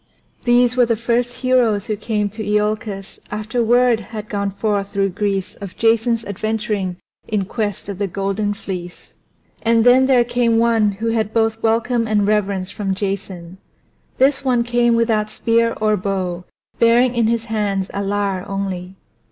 These were the first heroes who came to Iolcus after the word had gone forth through Greece of Jason's adventuring in quest of the Golden Fleece. And then there came one who had both welcome and reverence from Jason; this one came without spear or bow, bearing in his hands a lyre only.